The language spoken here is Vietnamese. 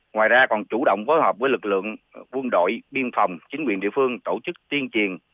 ngoài ra còn chủ động phối hợp với lực lượng quân đội biên phòng chính quyền địa phương tổ chức tuyên truyền